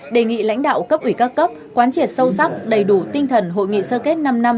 đề nghị lãnh đạo cấp ủy các cấp quán triệt sâu sắc đầy đủ tinh thần hội nghị sơ kết năm năm